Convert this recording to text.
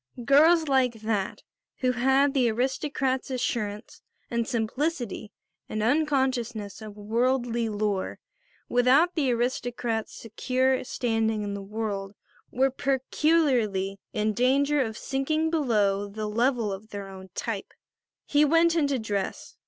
Girls like that, who had the aristocrat's assurance and simplicity and unconsciousness of worldly lore, without the aristocrat's secure standing in the world, were peculiarly in danger of sinking below the level of their own type. He went in to dress.